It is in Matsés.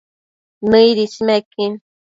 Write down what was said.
Nëid ismequin